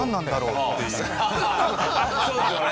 そうですよね。